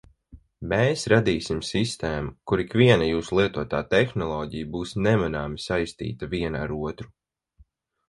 Mēs radīsim sistēmu, kur ikviena jūsu lietotā tehnoloģija būs nemanāmi saistīta viena ar otru.